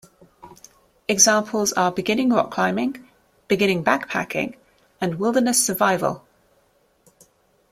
Examples are Beginning Rock Climbing, Beginning Backpacking, and Wilderness Survival.